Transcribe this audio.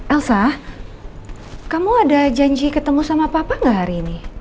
elsa kamu ada janji ketemu sama papa gak hari ini